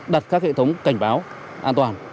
đặt các hệ thống cảnh báo an toàn